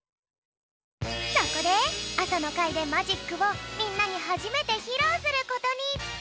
そこであさのかいでマジックをみんなにはじめてひろうすることに。